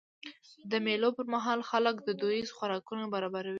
د مېلو پر مهال خلک دودیز خوراکونه برابروي.